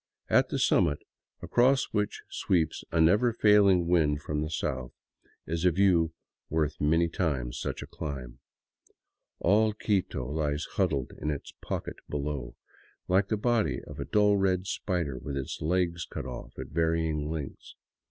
At the summit, across which sweeps a never failing wind from the south, is a view worth many times such a climb. All Quito lies huddled in its pocket below, like the body of a dull red spider with its legs cut off at varying lengths.